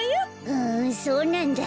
ふんそうなんだ。